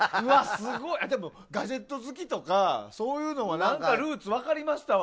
ガジェット好きとかそういうののルーツ分かりましたわ。